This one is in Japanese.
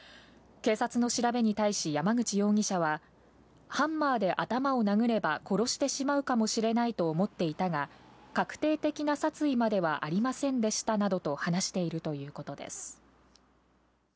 警察の調べに対し山口容疑者は、ハンマーで頭を殴れば殺してしまうかもしれないと思っていたが、確定的な殺意まではありませんでしたなどと話しているということです。